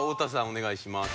お願いします。